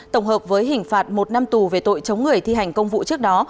tổng hợp với hình phạt một năm tù về tội chống người thi hành công vụ trước đó